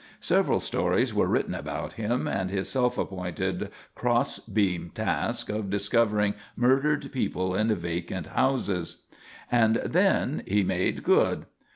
Several stories were written about him and his self appointed cross beam task of discovering murdered people in vacant houses. And then he "made good."